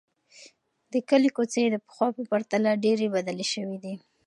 د کلي کوڅې د پخوا په پرتله ډېرې بدلې شوې دي.